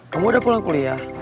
kamu udah pulang kuliah